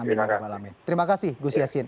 amin amin terima kasih gus yassin